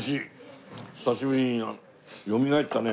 久しぶりによみがえったね。